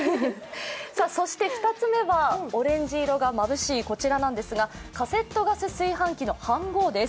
そして２つ目はオレンジ色がまぶしいこちらなんですが、カセットガス炊飯器です。